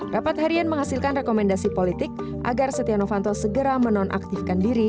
rapat harian menghasilkan rekomendasi politik agar setia novanto segera menonaktifkan diri